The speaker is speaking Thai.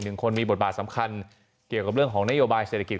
หนึ่งคนมีบทบาทสำคัญเกี่ยวกับเรื่องของนโยบายเศรษฐกิจ